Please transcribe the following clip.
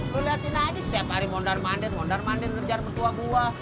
lo liatin aja setiap hari mondar mandir mondar mandir ngerjar pemertua gue